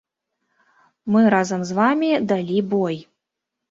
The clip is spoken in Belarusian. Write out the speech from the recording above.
Мы разам з вамі далі бой.